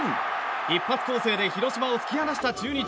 一発攻勢で広島を突き放した中日。